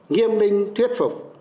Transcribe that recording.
nghiêm minh thuyết phục